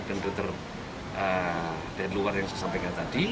dan dokter dari luar yang saya sampaikan tadi